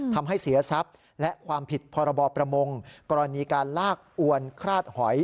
ทำให้เสียทรัพย์และความผิดพรบประมงกรณีการลากอวนคลาดหอย